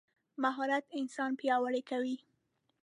مهارت انسان پیاوړی کوي.